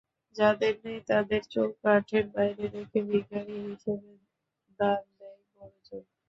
যাদের নেই তাদের চৌকাঠের বাইরে রেখে ভিখিরি হিসেবেই দান দেয় বড়জোর।